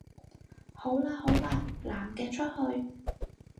好喇好喇，男嘅出去